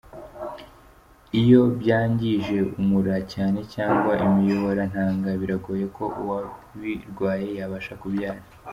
Iyo byangije umura cyane cyangwa imiyoborantanga biragoye ko uwabirwaye yabasha kubyara.